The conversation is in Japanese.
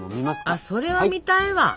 あそれは見たいわ！